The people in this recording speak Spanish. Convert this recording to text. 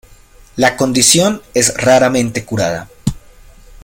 La condición es raramente curada.